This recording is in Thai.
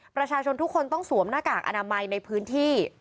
ประชาชนทุกคนต้องสวมหน้ากากอนามัยในพื้นที่